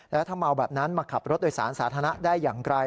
แล้วถ้าเมาแบบนั้นมาขับรถโดยสารสาธารณะได้อย่างไร